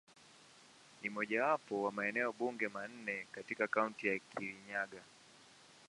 Ni mojawapo wa maeneo bunge manne katika Kaunti ya Kirinyaga.